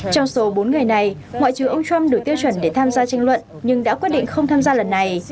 trong số bốn người này ngoại trưởng ông trump đủ tiêu chuẩn để tham gia tranh luận nhưng đã quyết định không tham gia lần này